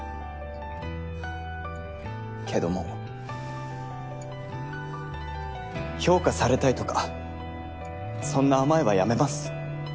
けどもう評価されたいとかそんな甘えはやめます。